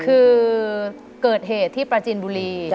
คือเกิดเหตุที่ปราจินบุรี